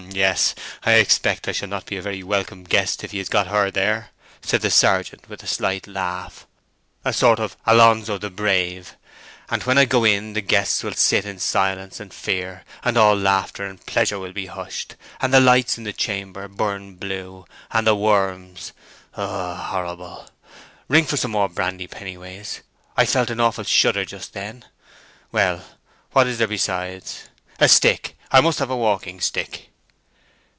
"H'm, yes. I expect I shall not be a very welcome guest if he has her there," said the sergeant, with a slight laugh. "A sort of Alonzo the Brave; and when I go in the guests will sit in silence and fear, and all laughter and pleasure will be hushed, and the lights in the chamber burn blue, and the worms—Ugh, horrible!—Ring for some more brandy, Pennyways, I felt an awful shudder just then! Well, what is there besides? A stick—I must have a walking stick."